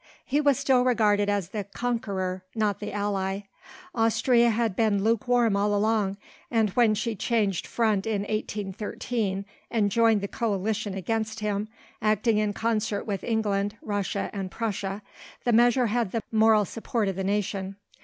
He was still regarded as the conqueror, not the ally. Austria had been lukewarm all along, and when she changed front in 1813, and joined the coalition against him, acting in concert with England, Russia and Prussia, the measure had the moral support of the nation.